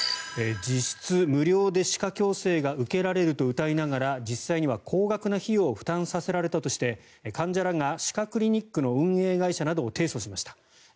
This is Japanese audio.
実質無料で歯科矯正が受けられるとうたいながら実際には高額な費用を負担させられたとして患者らが歯科クリニックの運営会社などを提訴しました。